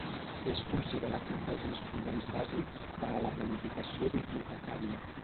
És considerat un dels instruments bàsics per a la planificació bibliotecària.